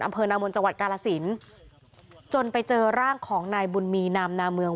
อำเภอนามนจังหวัดกาลสินจนไปเจอร่างของนายบุญมีนามนาเมือง